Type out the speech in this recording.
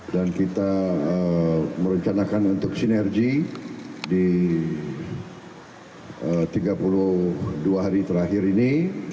dan kita merencanakan untuk sinergi di tiga puluh dua hari terakhir ini